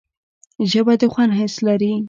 ژبه د خوند حس لري